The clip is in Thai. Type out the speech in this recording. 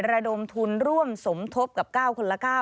ระดมทุนร่วมสมทบกับ๙คนละ๙